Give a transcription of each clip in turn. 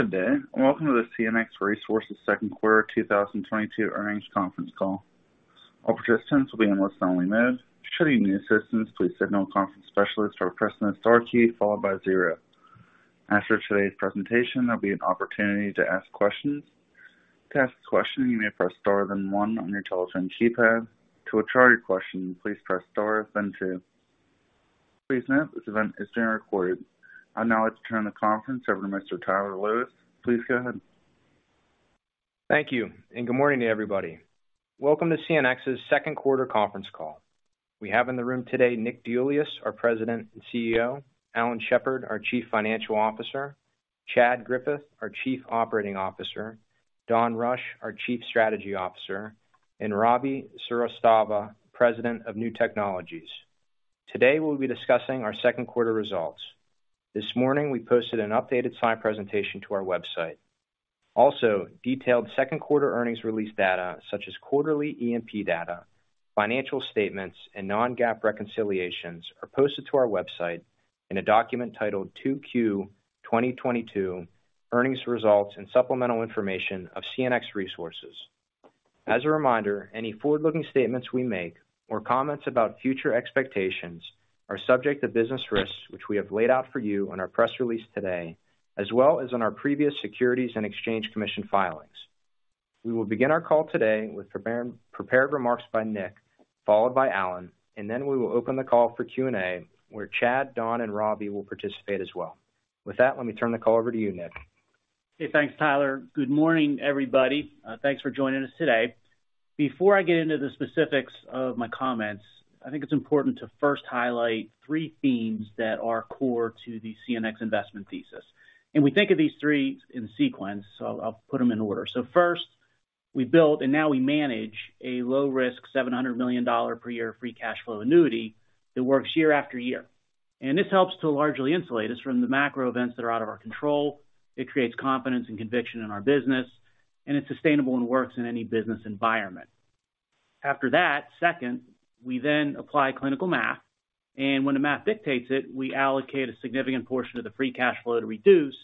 Good day, and welcome to the CNX Resources second quarter 2022 earnings conference call. All participants will be in listen-only mode. Should you need assistance, please contact the conference specialist or press the star key followed by zero. After today's presentation, there'll be an opportunity to ask questions. To ask a question, you may press star then one on your telephone keypad. To withdraw your question, please press star then two. Please note this event is being recorded. I'd now like to turn the conference over to Mr. Tyler Lewis. Please go ahead. Thank you, and good morning to everybody. Welcome to CNX's second quarter conference call. We have in the room today Nick DeIuliis, our President and CEO, Alan Shepard, our Chief Financial Officer, Chad Griffith, our Chief Operating Officer, Don Rush, our Chief Strategy Officer, and Ravi Srivastava, President of New Technologies. Today, we'll be discussing our second quarter results. This morning, we posted an updated slide presentation to our website. Also, detailed second quarter earnings release data such as quarterly EMP data, financial statements, and non-GAAP reconciliations are posted to our website in a document titled "2Q 2022 Earnings Results and Supplemental Information of CNX Resources." As a reminder, any forward-looking statements we make or comments about future expectations are subject to business risks, which we have laid out for you on our press release today, as well as on our previous Securities and Exchange Commission filings. We will begin our call today with prepared remarks by Nick, followed by Alan, and then we will open the call for Q&A, where Chad, Don, and Ravi will participate as well. With that, let me turn the call over to you, Nick. Okay. Thanks, Tyler. Good morning, everybody. Thanks for joining us today. Before I get into the specifics of my comments, I think it's important to first highlight three themes that are core to the CNX investment thesis. We think of these three in sequence, so I'll put them in order. First, we built and now we manage a low risk, $700 million per year free cash flow annuity that works year after year. This helps to largely insulate us from the macro events that are out of our control. It creates confidence and conviction in our business, and it's sustainable and works in any business environment. After that, second, we then apply clinical math, and when the math dictates it, we allocate a significant portion of the free cash flow to reduce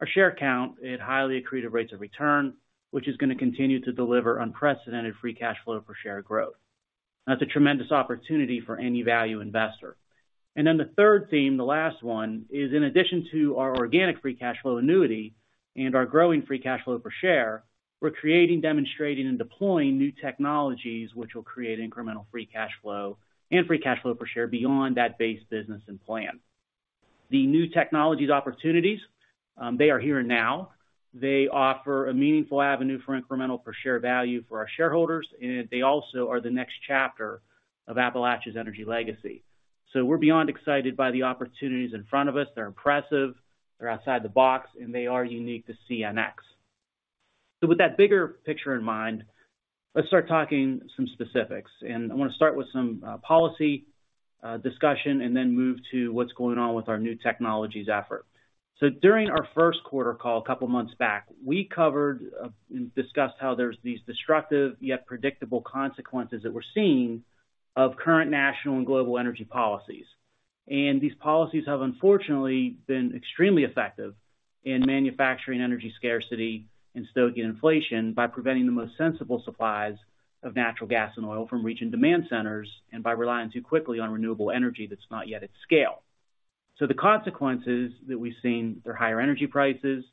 our share count at highly accretive rates of return, which is gonna continue to deliver unprecedented free cash flow per share growth. That's a tremendous opportunity for any value investor. The third theme, the last one, is in addition to our organic free cash flow annuity and our growing free cash flow per share, we're creating, demonstrating, and deploying new technologies which will create incremental free cash flow and free cash flow per share beyond that base business and plan. The new technologies opportunities, they are here now. They offer a meaningful avenue for incremental per share value for our shareholders, and they also are the next chapter of Appalachia's energy legacy. We're beyond excited by the opportunities in front of us. They're impressive, they're outside the box, and they are unique to CNX. With that bigger picture in mind, let's start talking some specifics. I wanna start with some policy discussion and then move to what's going on with our new technologies effort. During our first quarter call a couple months back, we covered and discussed how there's these destructive yet predictable consequences that we're seeing of current national and global energy policies. These policies have unfortunately been extremely effective in manufacturing energy scarcity and stoking inflation by preventing the most sensible supplies of natural gas and oil from reaching demand centers and by relying too quickly on renewable energy that's not yet at scale. The consequences that we've seen, they're higher energy prices,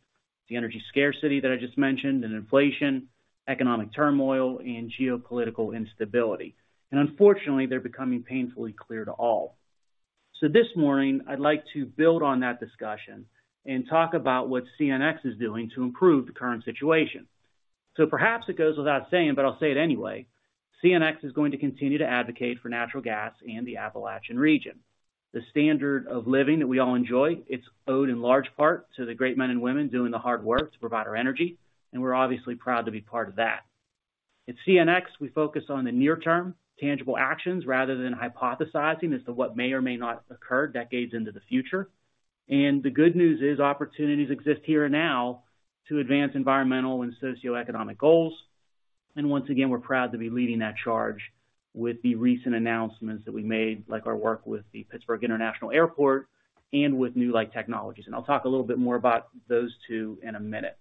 the energy scarcity that I just mentioned, and inflation, economic turmoil, and geopolitical instability. Unfortunately, they're becoming painfully clear to all. This morning, I'd like to build on that discussion and talk about what CNX is doing to improve the current situation. Perhaps it goes without saying, but I'll say it anyway, CNX is going to continue to advocate for natural gas in the Appalachian region. The standard of living that we all enjoy, it's owed in large part to the great men and women doing the hard work to provide our energy, and we're obviously proud to be part of that. At CNX, we focus on the near term tangible actions rather than hypothesizing as to what may or may not occur decades into the future. The good news is, opportunities exist here now to advance environmental and socioeconomic goals. Once again, we're proud to be leading that charge with the recent announcements that we made, like our work with the Pittsburgh International Airport and with Newlight Technologies. I'll talk a little bit more about those two in a minute.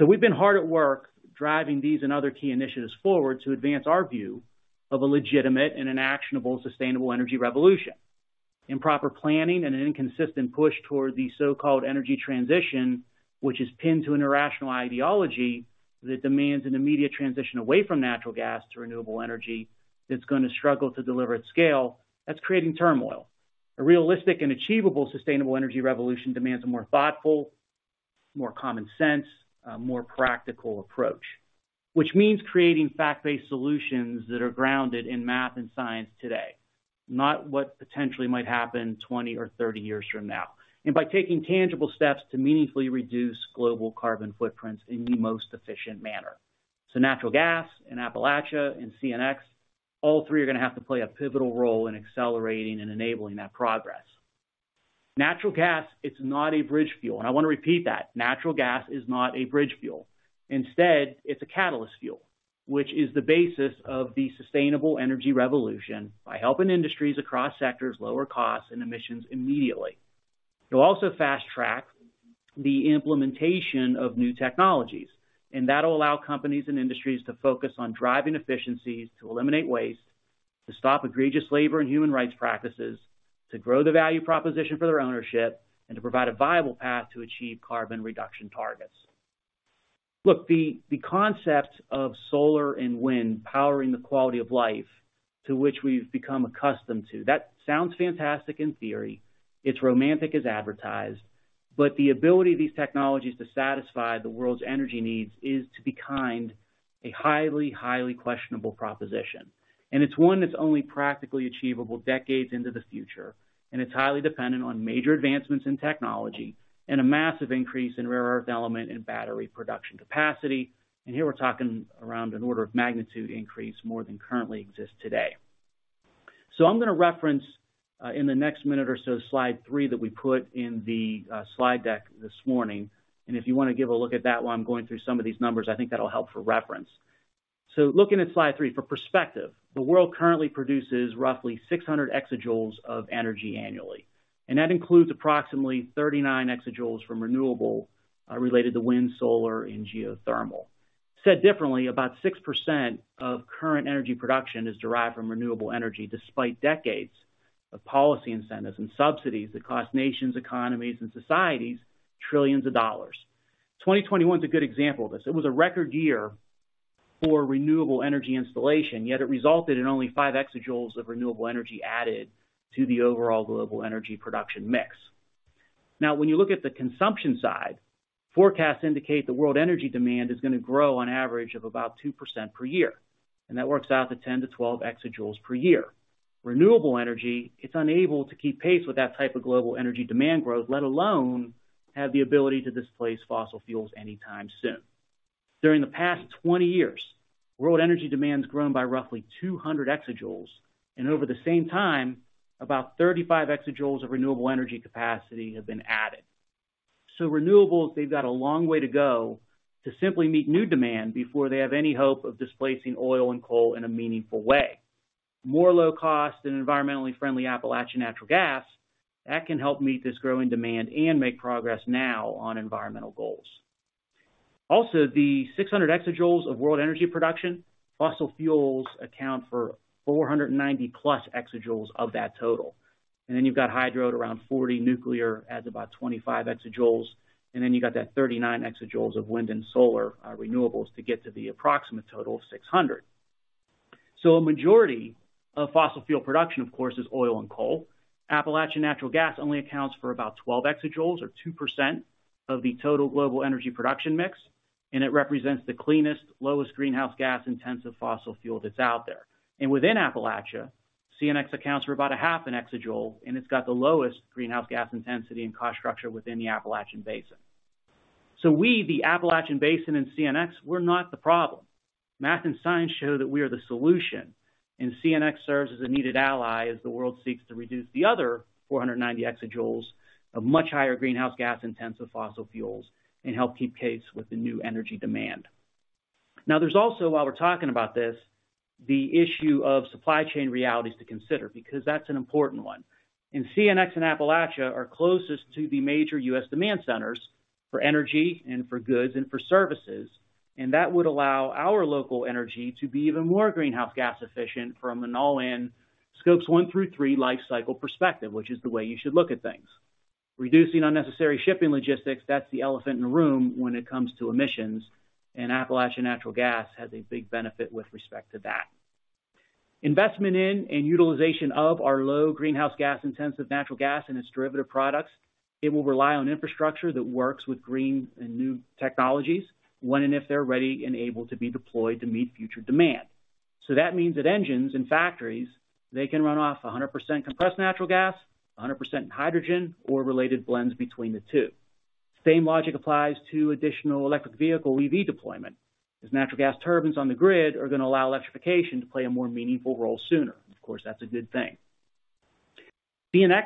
We've been hard at work driving these and other key initiatives forward to advance our view of a legitimate and an actionable, sustainable energy revolution. Improper planning and an inconsistent push toward the so-called energy transition, which is pinned to an irrational ideology that demands an immediate transition away from natural gas to renewable energy that's gonna struggle to deliver at scale, that's creating turmoil. A realistic and achievable sustainable energy revolution demands a more thoughtful, more common sense, more practical approach, which means creating fact-based solutions that are grounded in math and science today, not what potentially might happen 20 or 30 years from now. By taking tangible steps to meaningfully reduce global carbon footprints in the most efficient manner. Natural gas and Appalachia and CNX, all three are gonna have to play a pivotal role in accelerating and enabling that progress. Natural gas, it's not a bridge fuel. I wanna repeat that. Natural gas is not a bridge fuel. Instead, it's a catalyst fuel. Which is the basis of the sustainable energy revolution by helping industries across sectors lower costs and emissions immediately. It will also fast-track the implementation of new technologies, and that'll allow companies and industries to focus on driving efficiencies to eliminate waste, to stop egregious labor and human rights practices, to grow the value proposition for their ownership, and to provide a viable path to achieve carbon reduction targets. Look, the concept of solar and wind powering the quality of life to which we've become accustomed to, that sounds fantastic in theory. It's romantic as advertised, but the ability of these technologies to satisfy the world's energy needs is, to be kind, a highly questionable proposition. It's one that's only practically achievable decades into the future. It's highly dependent on major advancements in technology and a massive increase in rare earth element and battery production capacity. Here we're talking around an order of magnitude increase more than currently exists today. I'm gonna reference in the next minute or so slide three that we put in the slide deck this morning. If you wanna give a look at that while I'm going through some of these numbers, I think that'll help for reference. Looking at slide three for perspective, the world currently produces roughly 600 exajoules of energy annually, and that includes approximately 39 exajoules from renewable related to wind, solar, and geothermal. Said differently, about 6% of current energy production is derived from renewable energy, despite decades of policy incentives and subsidies that cost nations, economies, and societies trillions of dollars. 2021 is a good example of this. It was a record year for renewable energy installation, yet it resulted in only 5 exajoules of renewable energy added to the overall global energy production mix. Now, when you look at the consumption side, forecasts indicate the world energy demand is gonna grow on average of about 2% per year, and that works out to 10-12 exajoules per year. Renewable energy, it's unable to keep pace with that type of global energy demand growth, let alone have the ability to displace fossil fuels anytime soon. During the past 20 years, world energy demand has grown by roughly 200 exajoules, and over the same time, about 35 exajoules of renewable energy capacity have been added. Renewables, they've got a long way to go to simply meet new demand before they have any hope of displacing oil and coal in a meaningful way. More low cost and environmentally friendly Appalachian natural gas, that can help meet this growing demand and make progress now on environmental goals. The 600 exajoules of world energy production, fossil fuels account for 490+ exajoules of that total. Then you've got hydro at around 40, nuclear adds about 25 exajoules, and then you got that 39 exajoules of wind and solar, renewables to get to the approximate total of 600. A majority of fossil fuel production, of course, is oil and coal. Appalachian natural gas only accounts for about 12 exajoules or 2% of the total global energy production mix, and it represents the cleanest, lowest greenhouse gas intensive fossil fuel that's out there. Within Appalachia, CNX accounts for about a half an exajoule, and it's got the lowest greenhouse gas intensity and cost structure within the Appalachian Basin. We, the Appalachian Basin and CNX, we're not the problem. Math and science show that we are the solution, and CNX serves as a needed ally as the world seeks to reduce the other 490 exajoules of much higher greenhouse gas intensive fossil fuels and help keep pace with the new energy demand. Now, there's also, while we're talking about this, the issue of supply chain realities to consider, because that's an important one. CNX and Appalachia are closest to the major U.S. demand centers for energy and for goods and for services, and that would allow our local energy to be even more greenhouse gas efficient from an all-in scopes 1 through 3 life cycle perspective, which is the way you should look at things. Reducing unnecessary shipping logistics, that's the elephant in the room when it comes to emissions, and Appalachian natural gas has a big benefit with respect to that. Investment in and utilization of our low greenhouse gas intensive natural gas and its derivative products, it will rely on infrastructure that works with green and new technologies when and if they're ready and able to be deployed to meet future demand. That means that engines and factories, they can run off 100% compressed natural gas, 100% hydrogen or related blends between the two. Same logic applies to additional electric vehicle EV deployment, as natural gas turbines on the grid are gonna allow electrification to play a more meaningful role sooner. Of course, that's a good thing. CNX,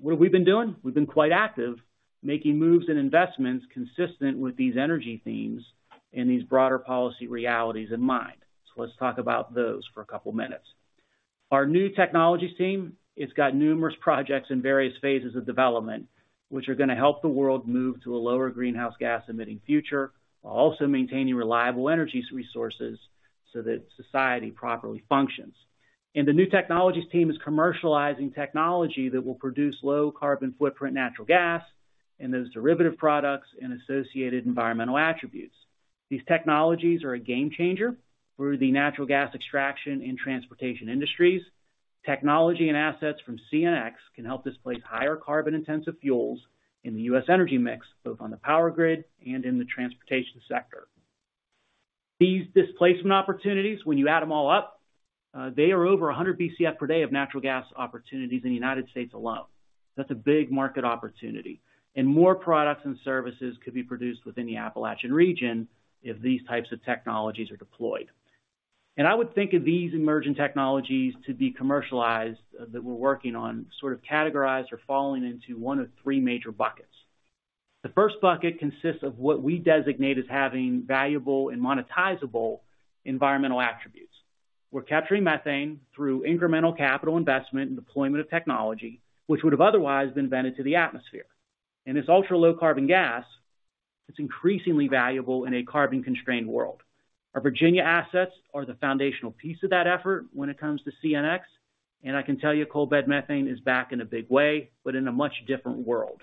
what have we been doing? We've been quite active making moves and investments consistent with these energy themes and these broader policy realities in mind. Let's talk about those for a couple minutes. Our new technologies team, it's got numerous projects in various phases of development, which are gonna help the world move to a lower greenhouse gas emitting future, while also maintaining reliable energies resources so that society properly functions. The new technologies team is commercializing technology that will produce low carbon footprint natural gas and those derivative products and associated environmental attributes. These technologies are a game changer for the natural gas extraction and transportation industries. Technology and assets from CNX can help displace higher carbon intensive fuels in the US energy mix, both on the power grid and in the transportation sector. These displacement opportunities, when you add them all up, they are over 100 BCF per day of natural gas opportunities in the United States alone. That's a big market opportunity, and more products and services could be produced within the Appalachian region if these types of technologies are deployed. I would think of these emerging technologies to be commercialized that we're working on sort of categorized or falling into one of three major buckets. The first bucket consists of what we designate as having valuable and monetizable environmental attributes. We're capturing methane through incremental capital investment and deployment of technology, which would have otherwise been vented to the atmosphere. This ultra-low carbon gas is increasingly valuable in a carbon-constrained world. Our Virginia assets are the foundational piece of that effort when it comes to CNX, and I can tell you coalbed methane is back in a big way, but in a much different world.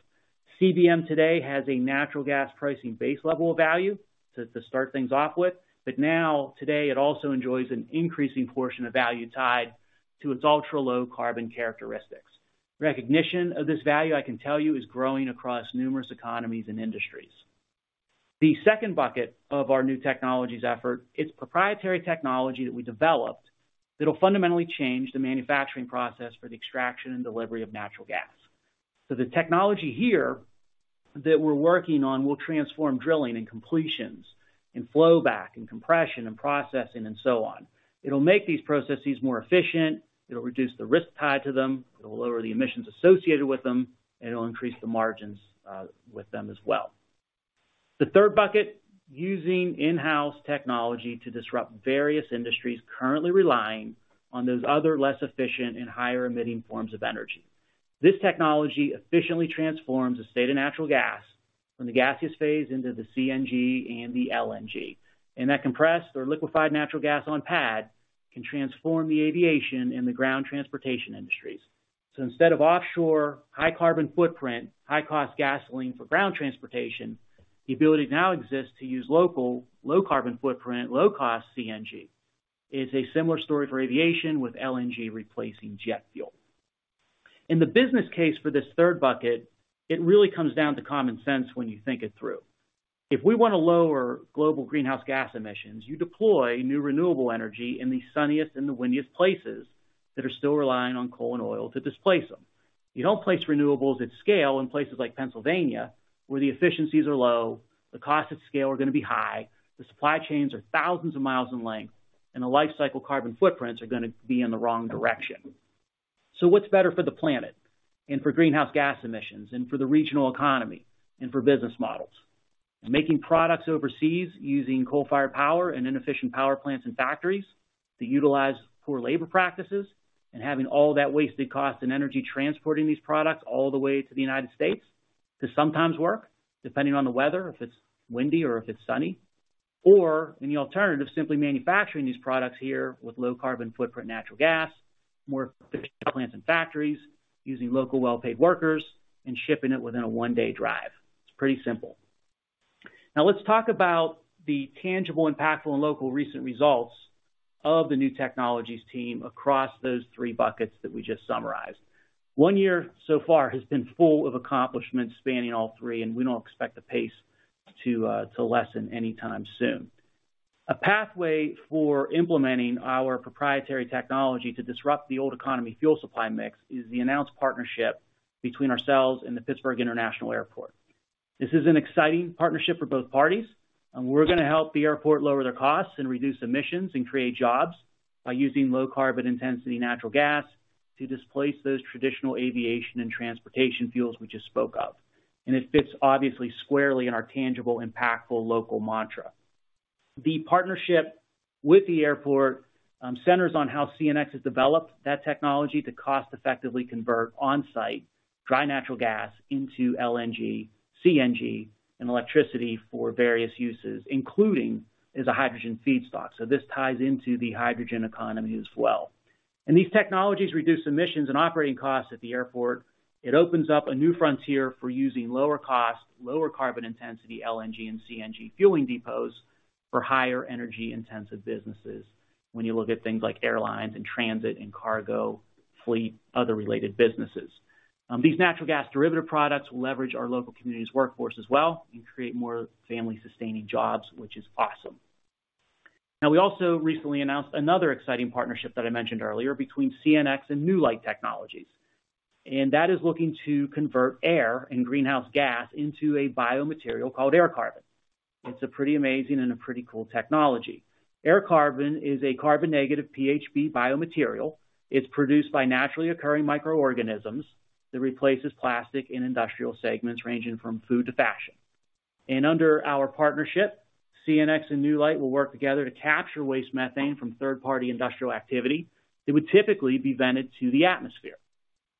CBM today has a natural gas pricing base level of value to start things off with. Now, today, it also enjoys an increasing portion of value tied to its ultra-low carbon characteristics. Recognition of this value, I can tell you, is growing across numerous economies and industries. The second bucket of our new technologies effort is proprietary technology that we developed that will fundamentally change the manufacturing process for the extraction and delivery of natural gas. The technology here that we're working on will transform drilling and completions and flow back and compression and processing and so on. It'll make these processes more efficient. It'll reduce the risk tied to them. It'll lower the emissions associated with them, and it'll increase the margins with them as well. The third bucket, using in-house technology to disrupt various industries currently relying on those other less efficient and higher emitting forms of energy. This technology efficiently transforms a state of natural gas from the gaseous phase into the CNG and the LNG. That compressed or liquefied natural gas on pad can transform the aviation and the ground transportation industries. Instead of offshore, high carbon footprint, high-cost gasoline for ground transportation, the ability now exists to use local, low carbon footprint, low-cost CNG. It's a similar story for aviation with LNG replacing jet fuel. In the business case for this third bucket, it really comes down to common sense when you think it through. If we want to lower global greenhouse gas emissions, you deploy new renewable energy in the sunniest and the windiest places that are still relying on coal and oil to displace them. You don't place renewables at scale in places like Pennsylvania, where the efficiencies are low, the cost of scale are going to be high, the supply chains are thousands of miles in length, and the lifecycle carbon footprints are going to be in the wrong direction. What's better for the planet and for greenhouse gas emissions and for the regional economy and for business models? Making products overseas using coal-fired power and inefficient power plants and factories that utilize poor labor practices and having all that wasted cost and energy transporting these products all the way to the United States to sometimes work depending on the weather, if it's windy or if it's sunny. In the alternative, simply manufacturing these products here with low carbon footprint, natural gas, more efficient plants and factories using local well-paid workers and shipping it within a one-day drive. It's pretty simple. Now let's talk about the tangible, impactful, and local recent results of the new technologies team across those three buckets that we just summarized. One year so far has been full of accomplishments spanning all three, and we don't expect the pace to lessen anytime soon. A pathway for implementing our proprietary technology to disrupt the old economy fuel supply mix is the announced partnership between ourselves and the Pittsburgh International Airport. This is an exciting partnership for both parties, and we're going to help the airport lower their costs and reduce emissions and create jobs by using low carbon intensity natural gas to displace those traditional aviation and transportation fuels we just spoke of. It fits obviously squarely in our tangible, impactful local mantra. The partnership with the airport centers on how CNX has developed that technology to cost effectively convert on-site dry natural gas into LNG, CNG, and electricity for various uses, including as a hydrogen feedstock. This ties into the hydrogen economy as well. These technologies reduce emissions and operating costs at the airport. It opens up a new frontier for using lower cost, lower carbon intensity, LNG and CNG fueling depots for higher energy-intensive businesses when you look at things like airlines and transit and cargo, fleet, other related businesses. These natural gas derivative products leverage our local community's workforce as well and create more family-sustaining jobs, which is awesome. Now, we also recently announced another exciting partnership that I mentioned earlier between CNX and Newlight Technologies. That is looking to convert air and greenhouse gas into a biomaterial called AirCarbon. It's a pretty amazing and a pretty cool technology. AirCarbon is a carbon negative PHB biomaterial. It's produced by naturally occurring microorganisms that replaces plastic in industrial segments ranging from food to fashion. Under our partnership, CNX and Newlight will work together to capture waste methane from third-party industrial activity that would typically be vented to the atmosphere.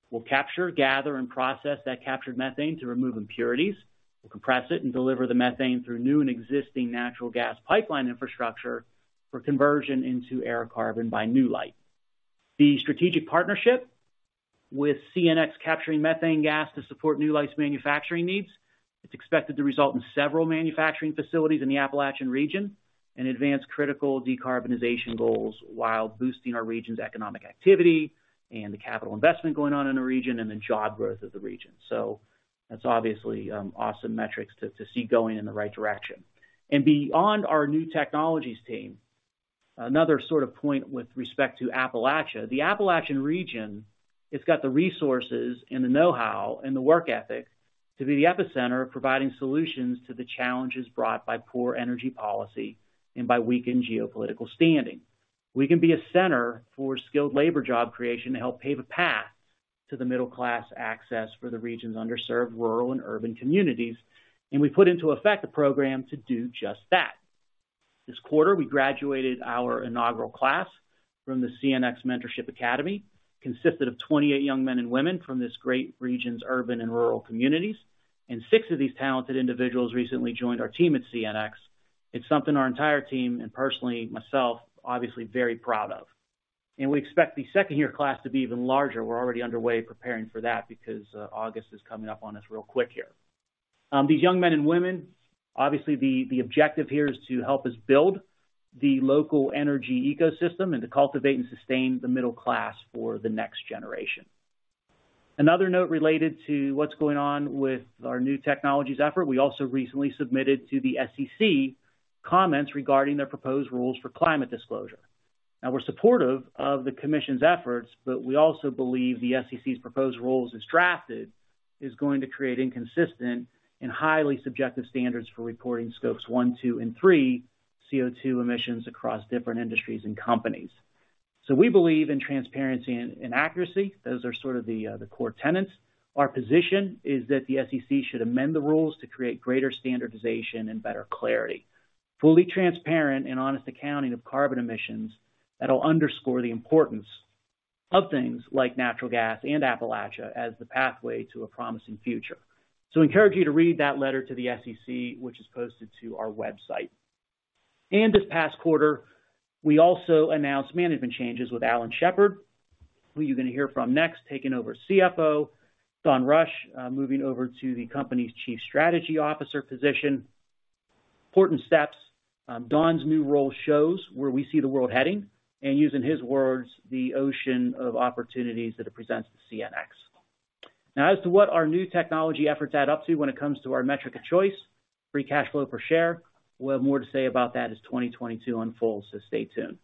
We'll capture, gather, and process that captured methane to remove impurities. We'll compress it and deliver the methane through new and existing natural gas pipeline infrastructure for conversion into AirCarbon by Newlight. The strategic partnership with CNX capturing methane gas to support Newlight's manufacturing needs, it's expected to result in several manufacturing facilities in the Appalachian region and advance critical decarbonization goals while boosting our region's economic activity and the capital investment going on in the region and the job growth of the region. That's obviously awesome metrics to see going in the right direction. Beyond our new technologies team, another sort of point with respect to Appalachia. The Appalachian region, it's got the resources and the know-how and the work ethic to be the epicenter of providing solutions to the challenges brought by poor energy policy and by weakened geopolitical standing. We can be a center for skilled labor job creation to help pave a path to the middle class access for the region's underserved rural and urban communities, and we put into effect a program to do just that. This quarter, we graduated our inaugural class from the CNX Mentorship Academy, consisted of 28 young men and women from this great region's urban and rural communities, and six of these talented individuals recently joined our team at CNX. It's something our entire team, and personally myself, obviously very proud of. We expect the second-year class to be even larger. We're already underway preparing for that because August is coming up on us real quick here. These young men and women, obviously, the objective here is to help us build the local energy ecosystem and to cultivate and sustain the middle class for the next generation. Another note related to what's going on with our new technologies effort. We also recently submitted to the SEC comments regarding their proposed rules for climate disclosure. Now, we're supportive of the commission's efforts, but we also believe the SEC's proposed rules as drafted is going to create inconsistent and highly subjective standards for reporting scopes one, two, and three CO2 emissions across different industries and companies. We believe in transparency and accuracy. Those are sort of the core tenets. Our position is that the SEC should amend the rules to create greater standardization and better clarity. Fully transparent and honest accounting of carbon emissions that'll underscore the importance of things like natural gas and Appalachia as the pathway to a promising future. Encourage you to read that letter to the SEC, which is posted to our website. This past quarter, we also announced management changes with Alan Shepard, who you're gonna hear from next, taking over CFO. Don Rush moving over to the company's Chief Strategy Officer position. Important steps. Don's new role shows where we see the world heading and using his words, the ocean of opportunities that it presents to CNX. Now, as to what our new technology efforts add up to when it comes to our metric of choice, free cash flow per share, we'll have more to say about that as 2022 unfolds, so stay tuned.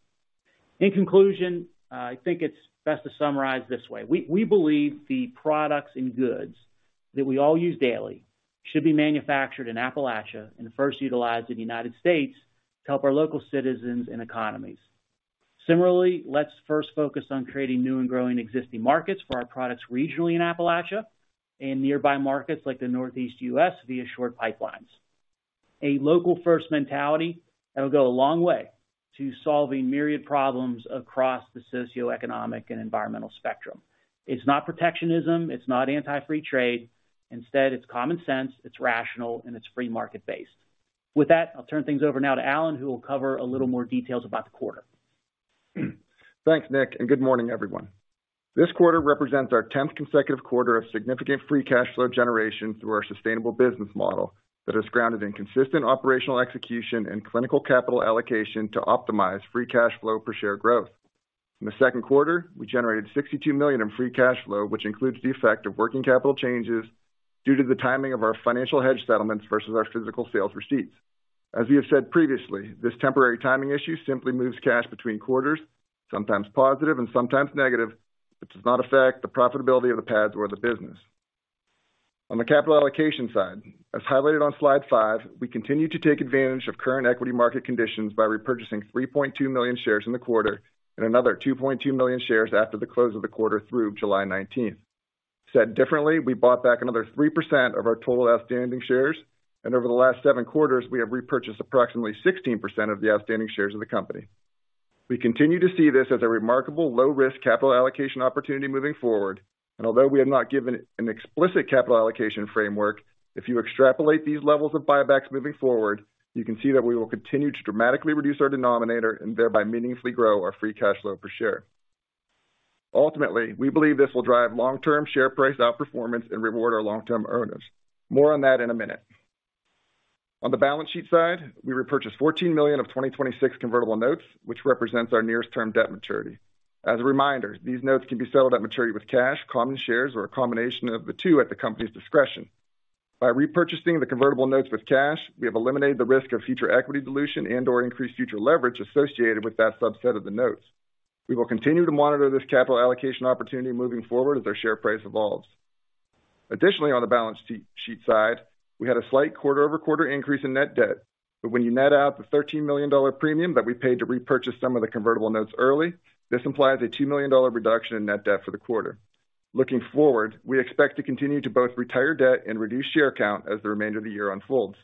In conclusion, I think it's best to summarize this way. We believe the products and goods that we all use daily should be manufactured in Appalachia and first utilized in the United States to help our local citizens and economies. Similarly, let's first focus on creating new and growing existing markets for our products regionally in Appalachia and nearby markets like the Northeast US via short pipelines. A local first mentality that'll go a long way to solving myriad problems across the socioeconomic and environmental spectrum. It's not protectionism, it's not anti-free trade. Instead, it's common sense, it's rational, and it's free market based. With that, I'll turn things over now to Alan, who will cover a little more details about the quarter. Thanks, Nick, and good morning, everyone. This quarter represents our tenth consecutive quarter of significant free cash flow generation through our sustainable business model that is grounded in consistent operational execution and disciplined capital allocation to optimize free cash flow per share growth. In the second quarter, we generated $62 million in free cash flow, which includes the effect of working capital changes due to the timing of our financial hedge settlements versus our physical sales receipts. As we have said previously, this temporary timing issue simply moves cash between quarters, sometimes positive and sometimes negative, but does not affect the profitability of the pads or the business. On the capital allocation side, as highlighted on slide 5, we continue to take advantage of current equity market conditions by repurchasing 3.2 million shares in the quarter and another 2.2 million shares after the close of the quarter through July 19th. Said differently, we bought back another 3% of our total outstanding shares, and over the last 7 quarters, we have repurchased approximately 16% of the outstanding shares of the company. We continue to see this as a remarkable low-risk capital allocation opportunity moving forward. Although we have not given an explicit capital allocation framework, if you extrapolate these levels of buybacks moving forward, you can see that we will continue to dramatically reduce our denominator and thereby meaningfully grow our free cash flow per share. Ultimately, we believe this will drive long-term share price outperformance and reward our long-term owners. More on that in a minute. On the balance sheet side, we repurchased $14 million of 2026 convertible notes, which represents our nearest term debt maturity. As a reminder, these notes can be settled at maturity with cash, common shares, or a combination of the two at the company's discretion. By repurchasing the convertible notes with cash, we have eliminated the risk of future equity dilution and/or increased future leverage associated with that subset of the notes. We will continue to monitor this capital allocation opportunity moving forward as our share price evolves. Additionally, on the balance sheet side, we had a slight quarter-over-quarter increase in net debt. When you net out the $13 million premium that we paid to repurchase some of the convertible notes early, this implies a $2 million reduction in net debt for the quarter. Looking forward, we expect to continue to both retire debt and reduce share count as the remainder of the year unfolds.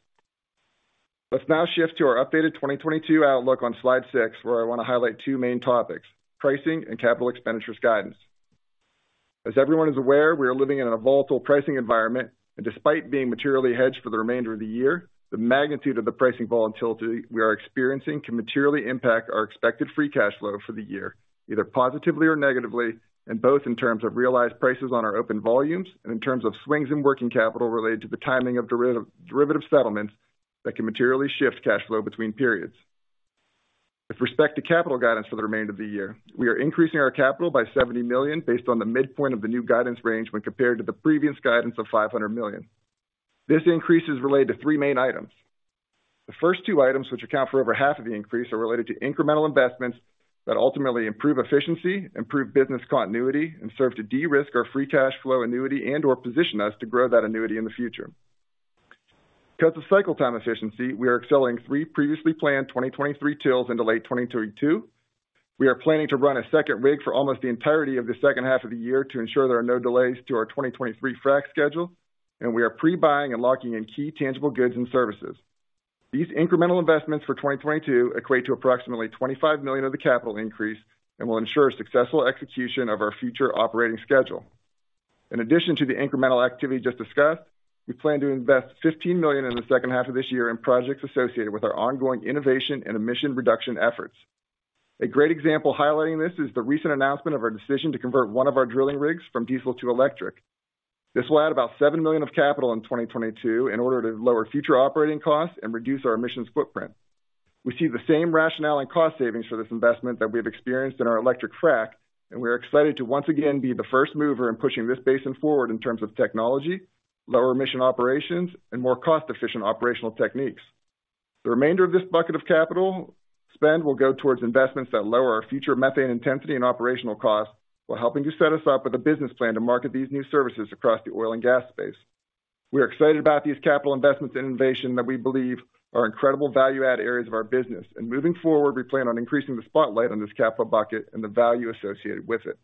Let's now shift to our updated 2022 outlook on slide 6, where I wanna highlight two main topics, pricing and capital expenditures guidance. As everyone is aware, we are living in a volatile pricing environment, and despite being materially hedged for the remainder of the year, the magnitude of the pricing volatility we are experiencing can materially impact our expected free cash flow for the year, either positively or negatively, and both in terms of realized prices on our open volumes and in terms of swings in working capital related to the timing of derivative settlements that can materially shift cash flow between periods. With respect to capital guidance for the remainder of the year, we are increasing our capital by $70 million based on the midpoint of the new guidance range when compared to the previous guidance of $500 million. This increase is related to 3 main items. The first two items, which account for over half of the increase, are related to incremental investments that ultimately improve efficiency, improve business continuity, and serve to de-risk our free cash flow annuity and/or position us to grow that annuity in the future. Because of cycle time efficiency, we are accelerating 3 previously planned 2023 wells into late 2022. We are planning to run a second rig for almost the entirety of the second half of the year to ensure there are no delays to our 2023 frack schedule, and we are pre-buying and locking in key tangible goods and services. These incremental investments for 2022 equate to approximately $25 million of the capital increase and will ensure successful execution of our future operating schedule. In addition to the incremental activity just discussed, we plan to invest $15 million in the second half of this year in projects associated with our ongoing innovation and emission reduction efforts. A great example highlighting this is the recent announcement of our decision to convert one of our drilling rigs from diesel to electric. This will add about $7 million of capital in 2022 in order to lower future operating costs and reduce our emissions footprint. We see the same rationale in cost savings for this investment that we have experienced in our electric frack, and we're excited to once again be the first mover in pushing this basin forward in terms of technology, lower emission operations, and more cost-efficient operational techniques. The remainder of this bucket of capital spend will go towards investments that lower our future methane intensity and operational costs while helping to set us up with a business plan to market these new services across the oil and gas space. We are excited about these capital investments and innovation that we believe are incredible value add areas of our business. Moving forward, we plan on increasing the spotlight on this capital bucket and the value associated with it.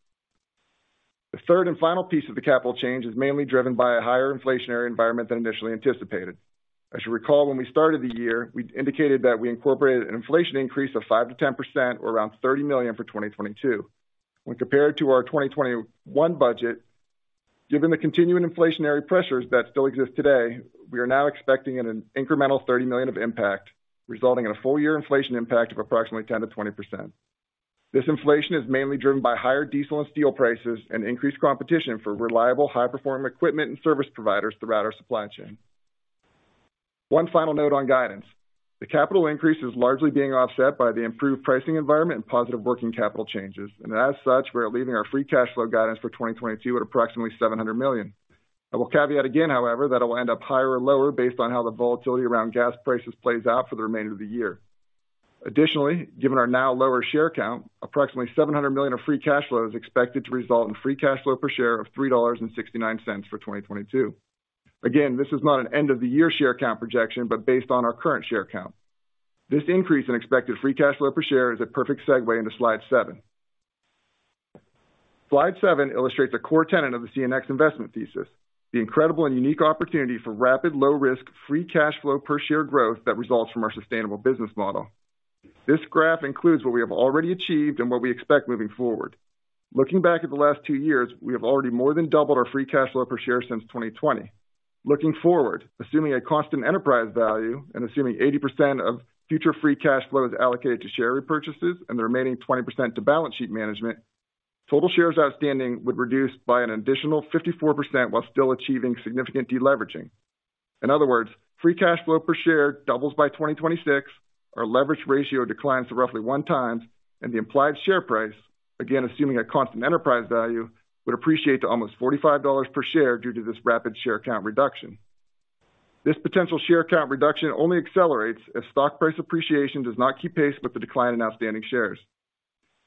The third and final piece of the capital change is mainly driven by a higher inflationary environment than initially anticipated. As you recall, when we started the year, we indicated that we incorporated an inflation increase of 5%-10% or around $30 million for 2022. When compared to our 2021 budget, given the continuing inflationary pressures that still exist today, we are now expecting an incremental $30 million of impact, resulting in a full year inflation impact of approximately 10%-20%. This inflation is mainly driven by higher diesel and steel prices and increased competition for reliable, high-performing equipment and service providers throughout our supply chain. One final note on guidance. The capital increase is largely being offset by the improved pricing environment and positive working capital changes. As such, we're leaving our free cash flow guidance for 2022 at approximately $700 million. I will caveat again, however, that it will end up higher or lower based on how the volatility around gas prices plays out for the remainder of the year. Additionally, given our now lower share count, approximately $700 million of free cash flow is expected to result in free cash flow per share of $3.69 for 2022. Again, this is not an end of the year share count projection, but based on our current share count. This increase in expected free cash flow per share is a perfect segue into slide 7. Slide 7 illustrates a core tenet of the CNX investment thesis, the incredible and unique opportunity for rapid, low risk, free cash flow per share growth that results from our sustainable business model. This graph includes what we have already achieved and what we expect moving forward. Looking back at the last two years, we have already more than doubled our free cash flow per share since 2020. Looking forward, assuming a constant enterprise value and assuming 80% of future free cash flow is allocated to share repurchases and the remaining 20% to balance sheet management, total shares outstanding would reduce by an additional 54% while still achieving significant deleveraging. In other words, free cash flow per share doubles by 2026. Our leverage ratio declines to roughly 1x, and the implied share price, again, assuming a constant enterprise value, would appreciate to almost $45 per share due to this rapid share count reduction. This potential share count reduction only accelerates if stock price appreciation does not keep pace with the decline in outstanding shares.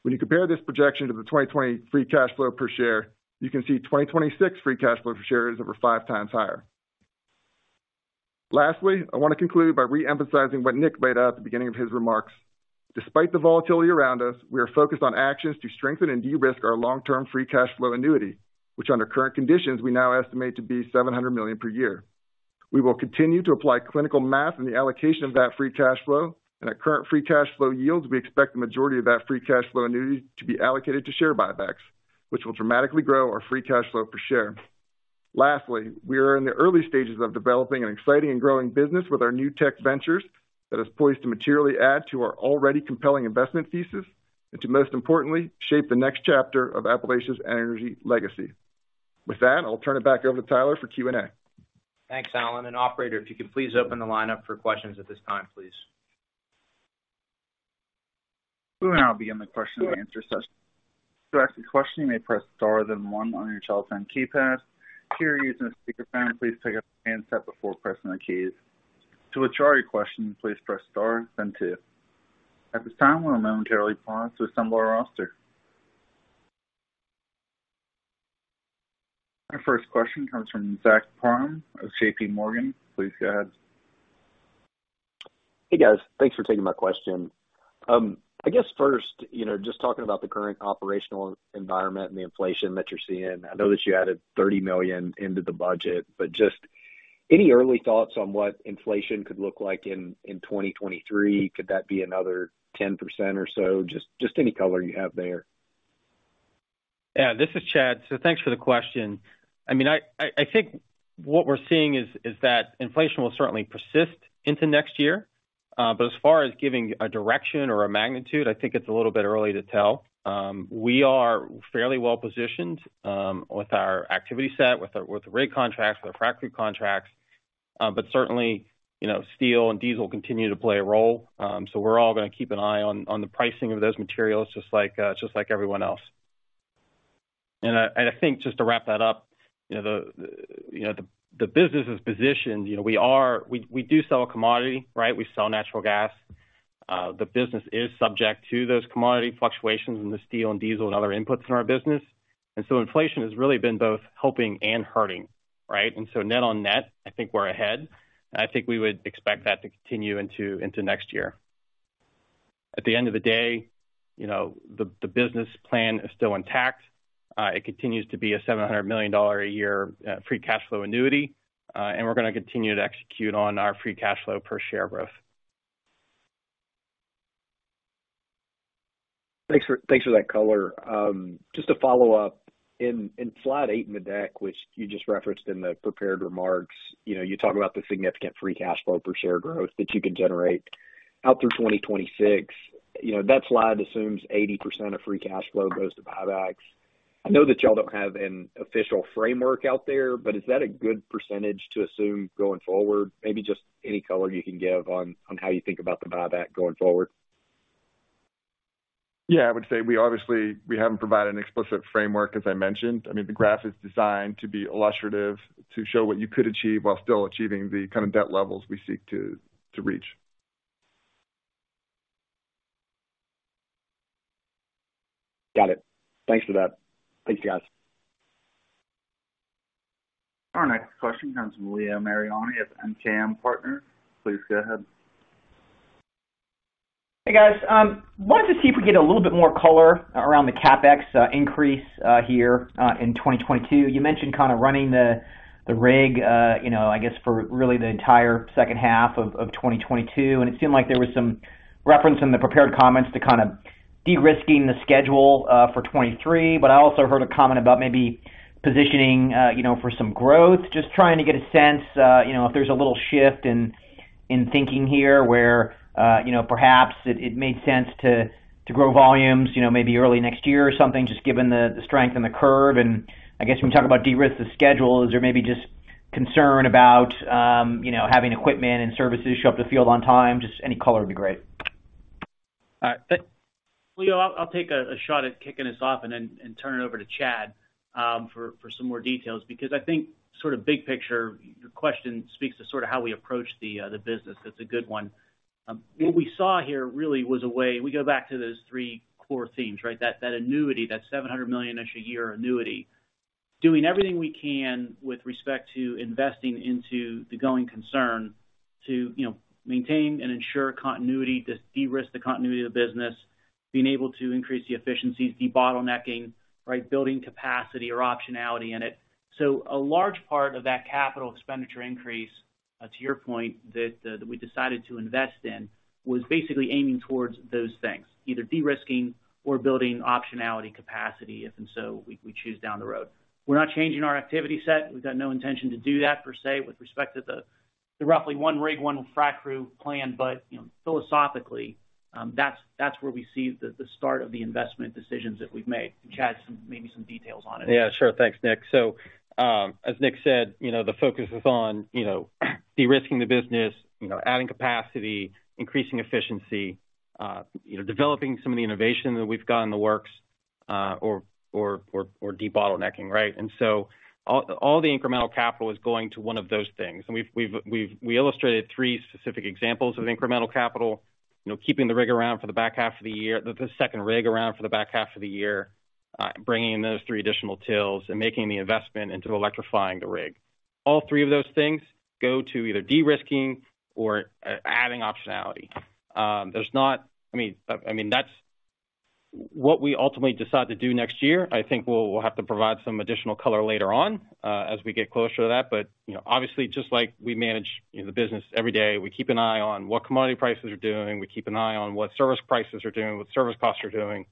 When you compare this projection to the 2020 free cash flow per share, you can see 2026 free cash flow per share is over 5 times higher. Lastly, I wanna conclude by re-emphasizing what Nick laid out at the beginning of his remarks. Despite the volatility around us, we are focused on actions to strengthen and de-risk our long-term free cash flow annuity, which under current conditions, we now estimate to be $700 million per year. We will continue to apply clinical math in the allocation of that free cash flow, and at current free cash flow yields, we expect the majority of that free cash flow annuity to be allocated to share buybacks, which will dramatically grow our free cash flow per share. Lastly, we are in the early stages of developing an exciting and growing business with our new tech ventures that is poised to materially add to our already compelling investment thesis and to, most importantly, shape the next chapter of Appalachia's energy legacy. With that, I'll turn it back over to Tyler for Q&A. Thanks, Alan. Operator, if you could please open the line up for questions at this time, please. We will now begin the question and answer session. To ask a question, you may press star then one on your telephone keypad. If you're using a speakerphone, please pick up the handset before pressing the keys. To withdraw your question, please press star then two. At this time, we'll momentarily pause to assemble our roster. Our first question comes from Zach Parham of JPMorgan. Please go ahead. Hey, guys. Thanks for taking my question. I guess first, you know, just talking about the current operational environment and the inflation that you're seeing. I know that you added $30 million into the budget, but just any early thoughts on what inflation could look like in 2023? Could that be another 10% or so? Just any color you have there. Yeah. This is Chad. Thanks for the question. I mean, I think what we're seeing is that inflation will certainly persist into next year. But as far as giving a direction or a magnitude, I think it's a little bit early to tell. We are fairly well-positioned with our activity set, with the rig contracts, with our frack contracts. But certainly, you know, steel and diesel continue to play a role. We're all gonna keep an eye on the pricing of those materials just like everyone else. I think just to wrap that up, you know, the business is positioned. You know, we are. We do sell a commodity, right? We sell natural gas. The business is subject to those commodity fluctuations in the steel and diesel and other inputs in our business. Inflation has really been both helping and hurting, right? Net on net, I think we're ahead. I think we would expect that to continue into next year. At the end of the day, you know, the business plan is still intact. It continues to be a $700 million a year free cash flow annuity. We're gonna continue to execute on our free cash flow per share growth. Thanks for that color. Just to follow up, in slide eight in the deck, which you just referenced in the prepared remarks, you know, you talk about the significant free cash flow per share growth that you can generate out through 2026. You know, that slide assumes 80% of free cash flow goes to buybacks. I know that y'all don't have an official framework out there, but is that a good percentage to assume going forward? Maybe just any color you can give on how you think about the buyback going forward. Yeah, I would say we obviously haven't provided an explicit framework, as I mentioned. I mean, the graph is designed to be illustrative, to show what you could achieve while still achieving the kind of debt levels we seek to reach. Got it. Thanks for that. Thanks, guys. Our next question comes from Leo Mariani at MKM Partners. Please go ahead. Hey, guys. Wanted to see if we could get a little bit more color around the CapEx increase here in 2022. You mentioned kind of running the rig, you know, I guess for really the entire second half of 2022, and it seemed like there was some reference in the prepared comments to kind of de-risking the schedule for 2023. I also heard a comment about maybe positioning, you know, for some growth. Just trying to get a sense, you know, if there's a little shift in thinking here where, you know, perhaps it made sense to grow volumes, you know, maybe early next year or something, just given the strength in the curve. I guess when you talk about de-risk the schedule, is there maybe just concern about, you know, having equipment and services show up to field on time? Just any color would be great. All right. Leo, I'll take a shot at kicking us off and then turn it over to Chad for some more details because I think sort of big picture, your question speaks to sort of how we approach the business. That's a good one. What we saw here really was a way we go back to those three core themes, right? That annuity, that $700 million-ish a year annuity, doing everything we can with respect to investing into the going concern to, you know, maintain and ensure continuity, to de-risk the continuity of the business, being able to increase the efficiencies, de-bottlenecking, right? Building capacity or optionality in it. A large part of that capital expenditure increase, to your point, that we decided to invest in, was basically aiming towards those things, either de-risking or building optionality capacity, if and so we choose down the road. We're not changing our activity set. We've got no intention to do that per se with respect to the roughly one rig, one frac crew plan. You know, philosophically, that's where we see the start of the investment decisions that we've made. Chad, maybe some details on it. Yeah, sure. Thanks, Nick. As Nick said, you know, the focus is on, you know, de-risking the business, you know, adding capacity, increasing efficiency, you know, developing some of the innovation that we've got in the works, or de-bottlenecking, right? All the incremental capital is going to one of those things. We've illustrated three specific examples of incremental capital. You know, keeping the rig around for the back half of the year—the second rig around for the back half of the year, bringing those three additional wells and making the investment into electrifying the rig. All three of those things go to either de-risking or adding optionality. I mean, that's what we ultimately decide to do next year. I think we'll have to provide some additional color later on, as we get closer to that. You know, obviously, just like we manage, you know, the business every day, we keep an eye on what commodity prices are doing, we keep an eye on what service prices are doing, what service costs are doing,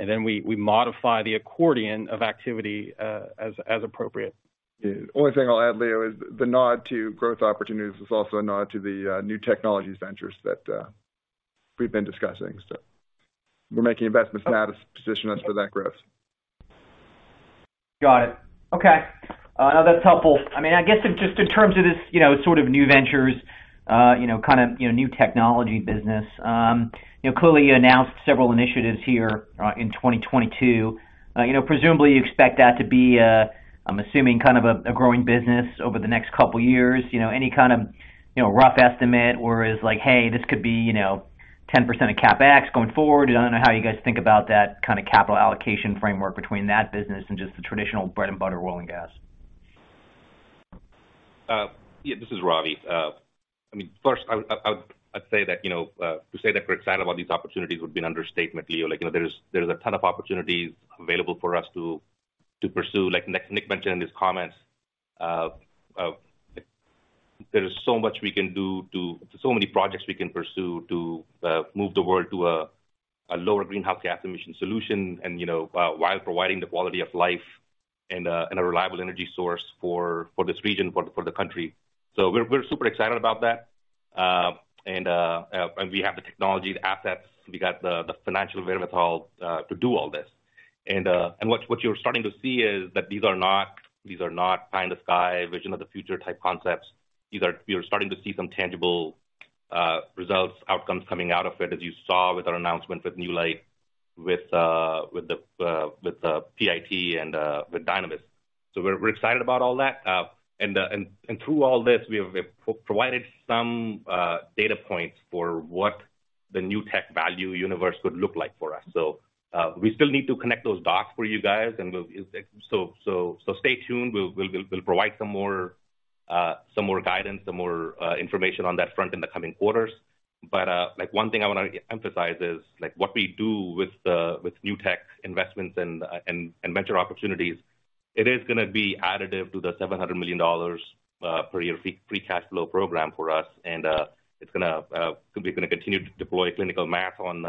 and then we modify the accordion of activity, as appropriate. The only thing I'll add, Leo, is the nod to growth opportunities is also a nod to the new technology ventures that we've been discussing. We're making investments now to position us for that growth. Got it. Okay. No, that's helpful. I mean, I guess just in terms of this, you know, sort of new ventures, you know, kind of, you know, new technology business. You know, clearly you announced several initiatives here in 2022. You know, presumably you expect that to be, I'm assuming kind of a growing business over the next couple years. You know, any kind of, you know, rough estimate or is like, hey, this could be, you know, 10% of CapEx going forward? I don't know how you guys think about that kind of capital allocation framework between that business and just the traditional bread and butter oil and gas. This is Ravi. I mean, first I'd say that, you know, to say that we're excited about these opportunities would be an understatement, Leo. Like, you know, there's a ton of opportunities available for us to pursue. Like Nick mentioned in his comments, there is so much we can do, so many projects we can pursue to move the world to a lower greenhouse gas emission solution and, you know, while providing the quality of life and a reliable energy source for this region, for the country. We're super excited about that. We have the technology, the assets, we got the financial wherewithal to do all this. What you're starting to see is that these are not pie in the sky, vision of the future type concepts. We are starting to see some tangible results, outcomes coming out of it, as you saw with our announcement with Newlight. With the PIT and with Dynamis. We're excited about all that. Through all this, we have provided some data points for what the new tech value universe would look like for us. We still need to connect those dots for you guys. Stay tuned. We'll provide some more guidance, some more information on that front in the coming quarters. Like one thing I wanna emphasize is like what we do with the new tech investments and venture opportunities, it is gonna be additive to the $700 million per year free cash flow program for us. It's gonna continue to deploy clinical math on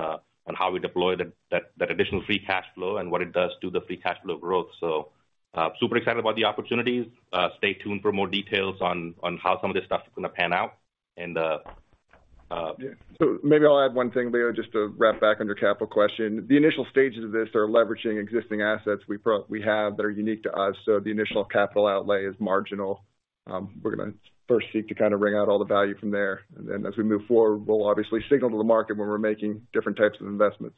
how we deploy that additional free cash flow and what it does to the free cash flow growth. Super excited about the opportunities. Stay tuned for more details on how some of this stuff is gonna pan out. Maybe I'll add one thing, Leo, just to wrap back on your capital question. The initial stages of this are leveraging existing assets we have that are unique to us, so the initial capital outlay is marginal. We're gonna first seek to kind of wring out all the value from there. Then as we move forward, we'll obviously signal to the market when we're making different types of investments.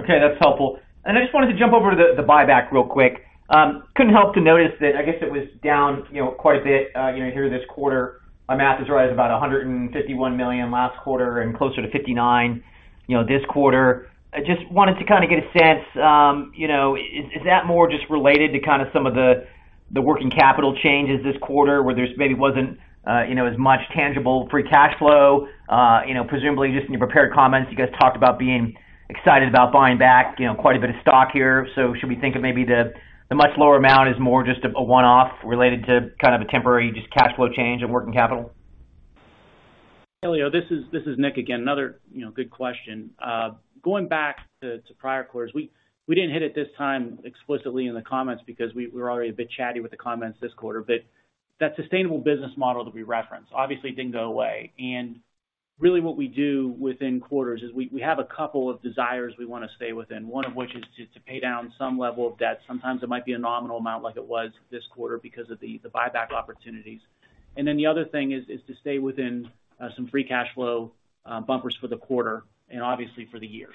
Okay, that's helpful. I just wanted to jump over to the buyback real quick. Couldn't help to notice that I guess it was down, you know, quite a bit, you know, here this quarter. My math is right, it was about $151 million last quarter and closer to $59 million, you know, this quarter. I just wanted to kind of get a sense, you know, is that more just related to kind of some of the working capital changes this quarter, where there's maybe wasn't, you know, as much tangible free cash flow? You know, presumably just in your prepared comments, you guys talked about being excited about buying back, you know, quite a bit of stock here. Should we think of maybe the much lower amount as more just a one-off related to kind of a temporary just cash flow change of working capital? Leo, this is Nick again. Another good question. Going back to prior quarters, we didn't hit it this time explicitly in the comments because we were already a bit chatty with the comments this quarter. But that sustainable business model that we referenced obviously didn't go away. Really what we do within quarters is we have a couple of desires we wanna stay within, one of which is to pay down some level of debt. Sometimes it might be a nominal amount like it was this quarter because of the buyback opportunities. The other thing is to stay within some free cash flow bumpers for the quarter and obviously for the year.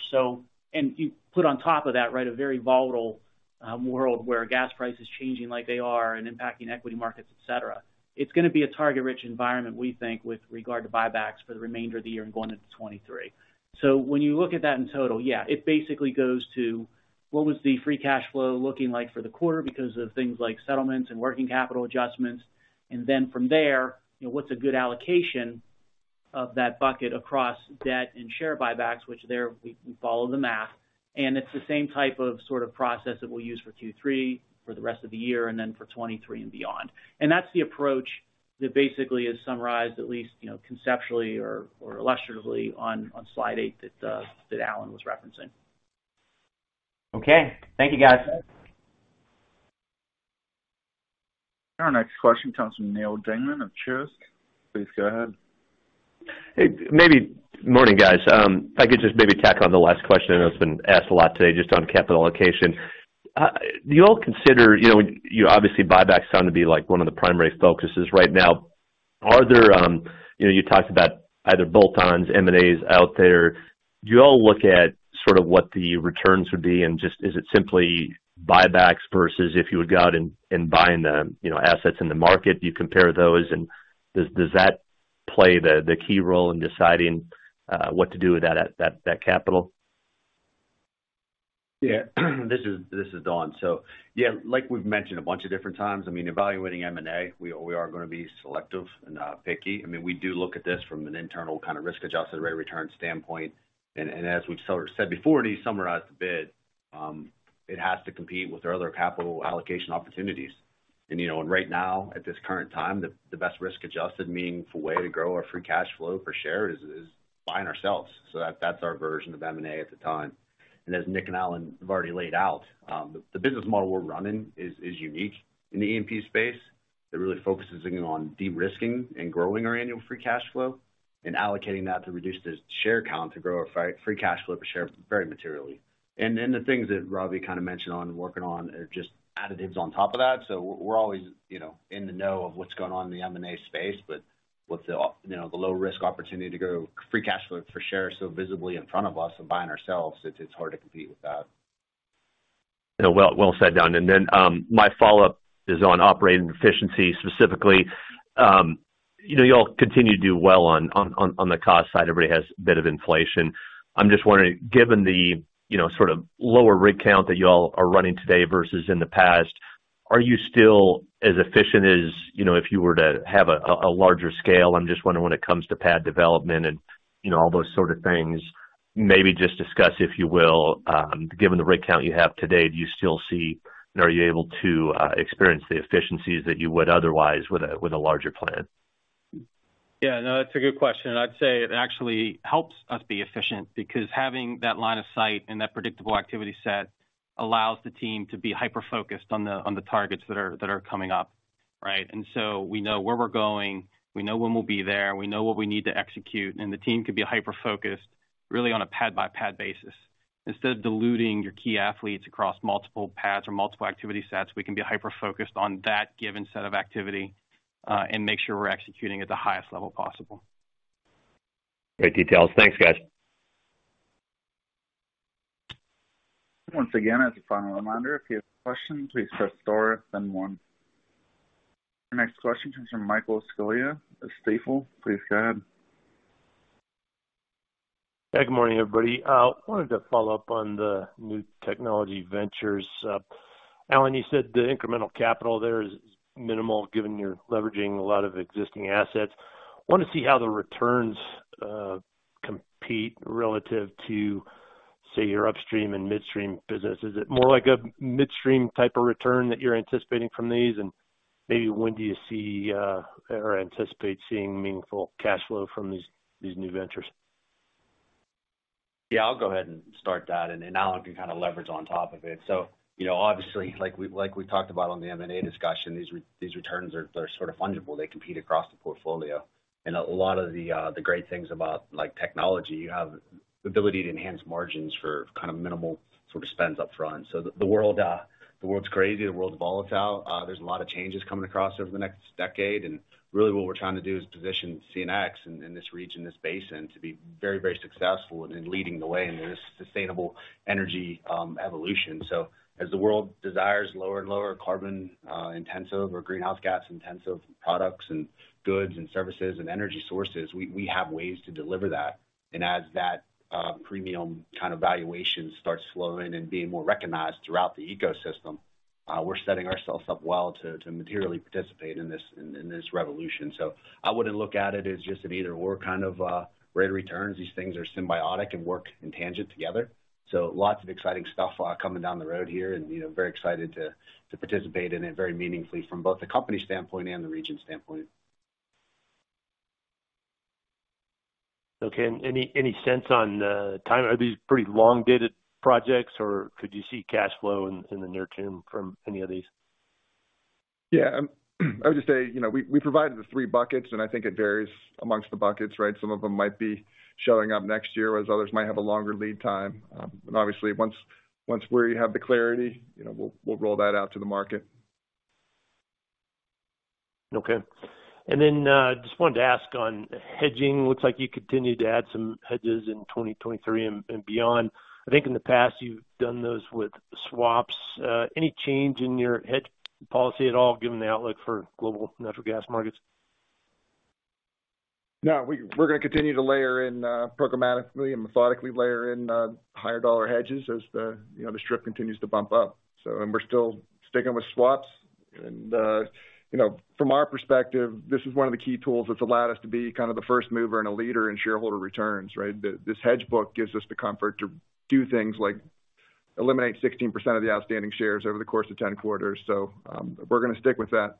You put on top of that, right, a very volatile world where gas prices changing like they are and impacting equity markets, et cetera, it's gonna be a target-rich environment, we think, with regard to buybacks for the remainder of the year and going into 2023. When you look at that in total, yeah, it basically goes to what was the free cash flow looking like for the quarter because of things like settlements and working capital adjustments. Then from there, you know, what's a good allocation of that bucket across debt and share buybacks, which there we follow the math. It's the same type of sort of process that we'll use for Q3, for the rest of the year, and then for 2023 and beyond. That's the approach that basically is summarized, at least, you know, conceptually or illustratively on slide 8 that Alan Shepard was referencing. Okay. Thank you, guys. Our next question comes from Neal Dingmann of Truist. Please go ahead. Morning, guys. If I could just maybe tack on the last question that's been asked a lot today just on capital allocation. Do you all consider, you know, you obviously buybacks sound to be like one of the primary focuses right now. Are there, you know, you talked about either bolt-ons, M&As out there. Do you all look at sort of what the returns would be? Just, is it simply buybacks versus if you would go out and buying the, you know, assets in the market? Do you compare those? Does that play the key role in deciding what to do with that capital? This is Don. Yeah, like we've mentioned a bunch of different times, I mean, evaluating M&A, we are gonna be selective and picky. I mean, we do look at this from an internal kind of risk-adjusted rate of return standpoint. As we've sort of said before, to summarize the bid, it has to compete with our other capital allocation opportunities. You know, right now, at this current time, the best risk-adjusted meaningful way to grow our free cash flow per share is buying ourselves. That's our version of M&A at the time. As Nick and Alan have already laid out, the business model we're running is unique in the E&P space. It really focuses, you know, on de-risking and growing our annual free cash flow and allocating that to reduce the share count to grow our free cash flow per share very materially. Then the things that Ravi kind of mentioned on working on are just additives on top of that. We're always, you know, in the know of what's going on in the M&A space. With the, you know, the low risk opportunity to grow free cash flow per share so visibly in front of us and buying ourselves, it's hard to compete with that. Well said, Don. My follow-up is on operating efficiency specifically. You know, you all continue to do well on the cost side. Everybody has a bit of inflation. I'm just wondering, given the, you know, sort of lower rig count that you all are running today versus in the past, are you still as efficient as, you know, if you were to have a larger scale? I'm just wondering when it comes to pad development and, you know, all those sort of things, maybe just discuss, if you will, given the rig count you have today, do you still see and are you able to experience the efficiencies that you would otherwise with a larger plan? Yeah, no, that's a good question. I'd say it actually helps us be efficient because having that line of sight and that predictable activity set allows the team to be hyper-focused on the targets that are coming up, right? We know where we're going, we know when we'll be there, we know what we need to execute, and the team can be hyper-focused really on a pad-by-pad basis. Instead of diluting your key athletes across multiple pads or multiple activity sets, we can be hyper-focused on that given set of activity. Make sure we're executing at the highest level possible. Great details. Thanks, guys. Once again, as a final reminder, if you have questions, please press star then one. Our next question comes from Michael Scialla of Stifel. Please go ahead. Hey, good morning, everybody. Wanted to follow up on the new technology ventures. Alan Shepard, you said the incremental capital there is minimal given you're leveraging a lot of existing assets. Wanted to see how the returns compete relative to, say, your upstream and midstream business. Is it more like a midstream type of return that you're anticipating from these? Maybe when do you see or anticipate seeing meaningful cash flow from these new ventures? Yeah, I'll go ahead and start that, and then Alan can kind of leverage on top of it. You know, obviously, like we talked about on the M&A discussion, these returns are, they're sort of fungible. They compete across the portfolio. A lot of the great things about, like, technology, you have the ability to enhance margins for kind of minimal sort of spends upfront. The world, the world's crazy, the world's volatile. There's a lot of changes coming across over the next decade. Really what we're trying to do is position CNX in this region, this basin, to be very, very successful in leading the way in this sustainable energy evolution. As the world desires lower and lower carbon intensive or greenhouse gas intensive products and goods and services and energy sources, we have ways to deliver that. As that premium kind of valuation starts flowing and being more recognized throughout the ecosystem, we're setting ourselves up well to materially participate in this revolution. I wouldn't look at it as just an either/or kind of rate of returns. These things are symbiotic and work in tangent together. Lots of exciting stuff coming down the road here and, you know, very excited to participate in it very meaningfully from both a company standpoint and the region standpoint. Okay. Any sense on the time? Are these pretty long-dated projects, or could you see cash flow in the near term from any of these? Yeah. I would just say, you know, we provided the three buckets, and I think it varies among the buckets, right? Some of them might be showing up next year, whereas others might have a longer lead time. Obviously once we have the clarity, you know, we'll roll that out to the market. Okay. Just wanted to ask on hedging. Looks like you continued to add some hedges in 2023 and beyond. I think in the past you've done those with swaps. Any change in your hedge policy at all given the outlook for global natural gas markets? No. We're gonna continue to layer in programmatically and methodically higher dollar hedges as the, you know, strip continues to bump up. We're still sticking with swaps. You know, from our perspective, this is one of the key tools that's allowed us to be kind of the first mover and a leader in shareholder returns, right? This hedge book gives us the comfort to do things like eliminate 16% of the outstanding shares over the course of 10 quarters. We're gonna stick with that.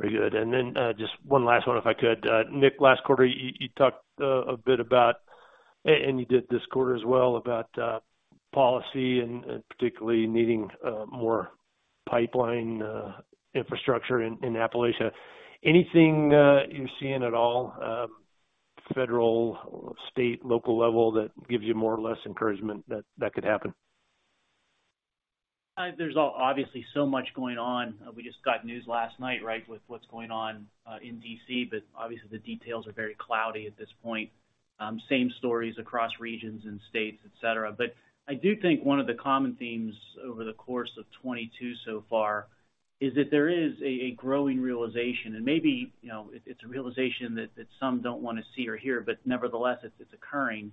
Very good. Just one last one if I could. Nick, last quarter, you talked a bit about, and you did this quarter as well, about policy and particularly needing more pipeline infrastructure in Appalachia. Anything you're seeing at all, federal or state, local level that gives you more or less encouragement that could happen? There's obviously so much going on. We just got news last night, right, with what's going on in D.C., but obviously the details are very cloudy at this point. Same stories across regions and states, et cetera. I do think one of the common themes over the course of 2022 so far is that there is a growing realization, and maybe, you know, it's a realization that some don't wanna see or hear, but nevertheless, it's occurring,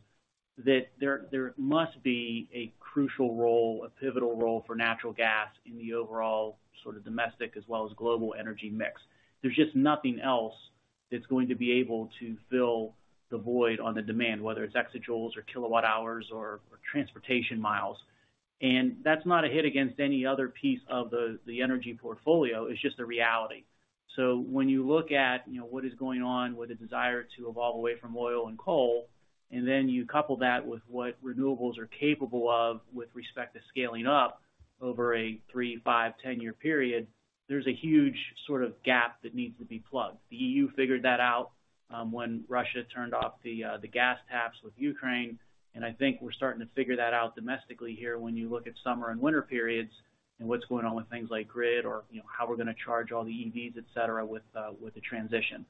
that there must be a crucial role, a pivotal role for natural gas in the overall sort of domestic as well as global energy mix. There's just nothing else that's going to be able to fill the void on the demand, whether it's exajoules or kilowatt hours or transportation miles. That's not a hit against any other piece of the energy portfolio, it's just the reality. When you look at, you know, what is going on with the desire to evolve away from oil and coal, and then you couple that with what renewables are capable of with respect to scaling up over a three, five, 10-year period, there's a huge sort of gap that needs to be plugged. The EU figured that out when Russia turned off the gas taps with Ukraine, and I think we're starting to figure that out domestically here when you look at summer and winter periods and what's going on with things like grid or, you know, how we're gonna charge all the EVs, et cetera, with the transition.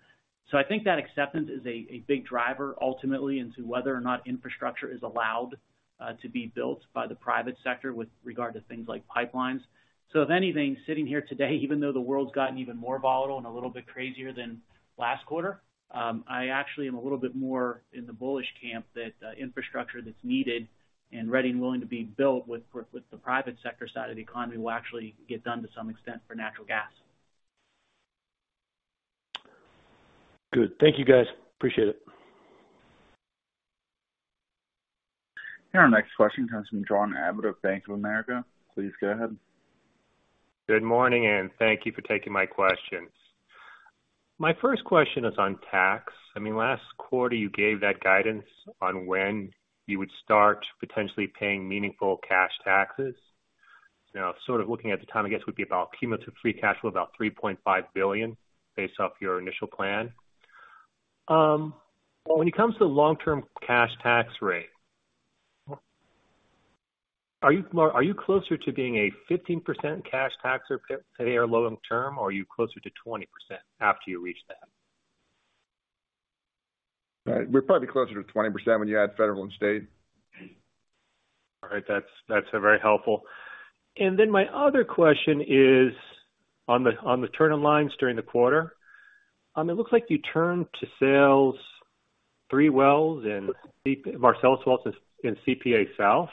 I think that acceptance is a big driver ultimately into whether or not infrastructure is allowed to be built by the private sector with regard to things like pipelines. If anything, sitting here today, even though the world's gotten even more volatile and a little bit crazier than last quarter, I actually am a little bit more in the bullish camp that infrastructure that's needed and ready and willing to be built with the private sector side of the economy will actually get done to some extent for natural gas. Good. Thank you, guys. Appreciate it. Our next question comes from John Abbott of Bank of America. Please go ahead. Good morning, and thank you for taking my questions. My first question is on tax. I mean, last quarter, you gave that guidance on when you would start potentially paying meaningful cash taxes. Now, sort of looking at the time, I guess, would be about cumulative free cash flow of about $3.5 billion based off your initial plan. When it comes to long-term cash tax rate, are you closer to being a 15% cash tax rate or 20% long term, or are you closer to 20% after you reach that? Right. We're probably closer to 20% when you add federal and state. All right. That's very helpful. My other question is on the turn in lines during the quarter. It looks like you turned in line three wells in deep Marcellus wells in CPA South.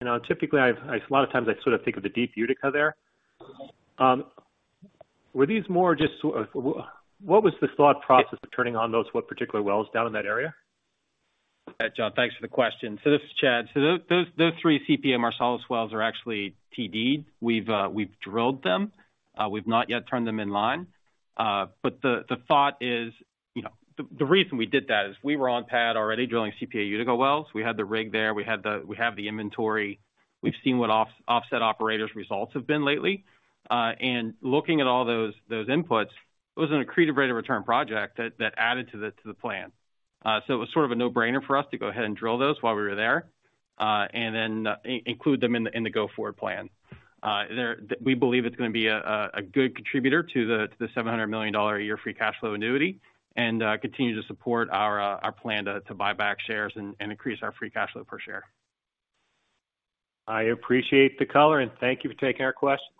You know, typically, I've a lot of times I sort of think of the deep Utica there. Were these more just what was the thought process of turning on those, what particular wells down in that area? Yeah, John, thanks for the question. This is Chad. Those three CPA Marcellus wells are actually TD'ed. We've drilled them. We've not yet turned them in line. The thought is, you know, the reason we did that is we were on pad already drilling CPA Utica wells. We had the rig there, we had the inventory. We've seen what offset operators' results have been lately. Looking at all those inputs, it was an accretive rate of return project that added to the plan. It was sort of a no-brainer for us to go ahead and drill those while we were there, and then include them in the go-forward plan. We believe it's gonna be a good contributor to the $700 million a year free cash flow annuity and continue to support our plan to buy back shares and increase our free cash flow per share. I appreciate the color, and thank you for taking our questions.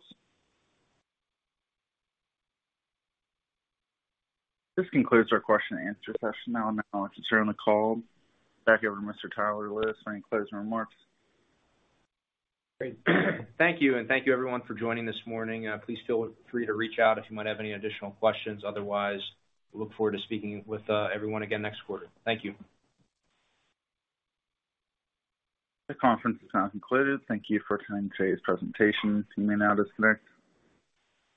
This concludes our question and answer session. Now I'll turn the call back over to Mr. Tyler Lewis for any closing remarks. Great. Thank you, and thank you everyone for joining this morning. Please feel free to reach out if you might have any additional questions. Otherwise, look forward to speaking with everyone again next quarter. Thank you. The conference has now concluded. Thank you for attending today's presentation. You may now disconnect.